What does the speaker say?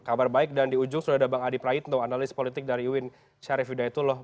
kabar baik dan di ujung sudah ada bang adi prayitno analis politik dari uin syarif hidayatullah